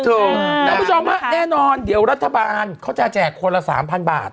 คุณผู้ชมฮะแน่นอนเดี๋ยวรัฐบาลเขาจะแจกคนละ๓๐๐บาท